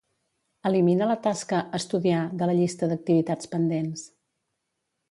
Elimina la tasca "estudiar" de la llista d'activitats pendents.